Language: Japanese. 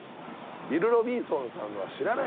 ビル・ロビンソンさんは知らない。